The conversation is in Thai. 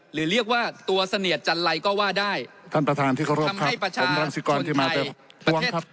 หรือเรียกว่าตัวเสนียดจันไลก็ว่าได้ท่านประธานที่เคารพครับคำให้ประชาชนไทยประเทศ